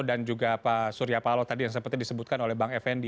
dan juga pak surya palu tadi yang sempat disebutkan oleh bang effendi